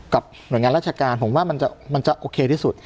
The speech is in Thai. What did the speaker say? หน่วยงานราชการผมว่ามันจะโอเคที่สุด